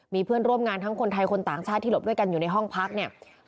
มีเพื่อนร่วมงานทั้งคนไทยคนต่างชาติที่หลบด้วยกันอยู่ในห้องพักเนี่ย